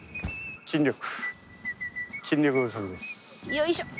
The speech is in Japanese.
よいしょっ！